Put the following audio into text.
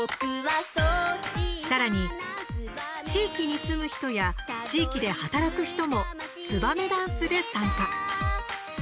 さらに地域に住む人や地域で働く人も「ツバメ」ダンスで参加。